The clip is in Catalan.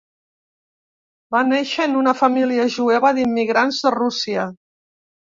Va néixer en una família jueva d'immigrants de Rússia.